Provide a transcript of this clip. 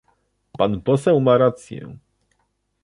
Pan poseł ma rację